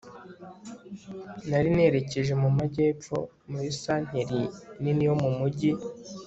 nari nerekeje mu majyepfo muri santeri nini yo mu mujyi